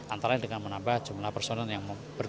antara dengan menambah jumlah personel yang